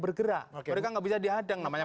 bergerak mereka nggak bisa dihadang namanya